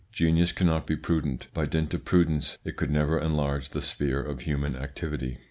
Genius cannot be prudent; by dint of prudence it could never enlarge the sphere of human activity.